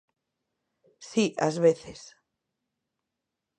Si, ás veces.